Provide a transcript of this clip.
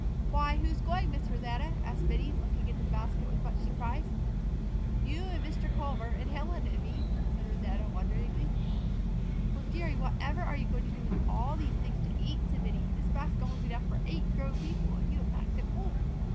"Why, who's going, Miss Rosanna?" asked Minnie, looking into the basket with much surprise. "You and Mr. Culver and Helen and me," said Rosanna wonderingly. "Well, dearie, whatever are you going to do with all these things to eat?" said Minnie. "This basket holds enough for eight grown people, and you have packed it full."